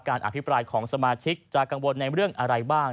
อภิปรายของสมาชิกจะกังวลในเรื่องอะไรบ้าง